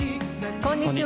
こんにちは。